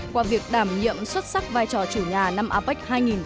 qua việc đảm nhiệm xuất sắc vai trò chủ nhà năm apec hai nghìn một mươi bảy